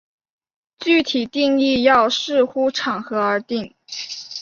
具体定义要视乎场合而定。